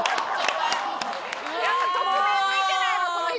やっぱ匿名向いてないわこの人！